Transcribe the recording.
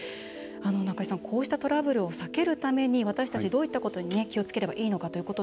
中井さん、こうしたトラブルを避けるために私たちどういったことに注意したらいいでしょうか？